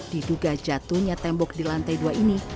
diduga jatuhnya tembok di lantai dua ini